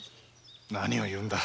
何を言うんだ。